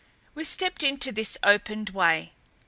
We stepped into this opened way.